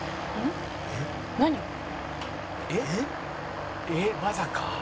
「えっまさか」